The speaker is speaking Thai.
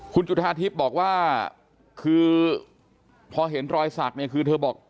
คุณจุธาทิพย์บอกว่าคือพอเห็นรอยสักเนี่ยคือเธอบอก